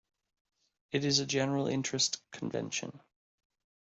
It is a general interest convention.